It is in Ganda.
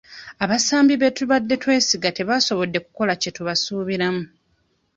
Abasambi be tubadde twesiga tebasobodde kukola kye tubasuubiramu.